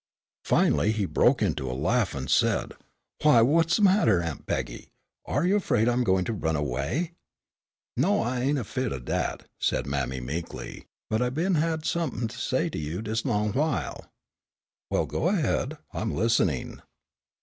Finally he broke into a laugh and said, "Why, what's the matter, Aunt Peggy, are you afraid I'm going to run away?" "No, I ain' afeared o' dat," said mammy, meekly, "but I been had somepn' to say to you dis long w'ile." "Well, go ahead, I'm listening."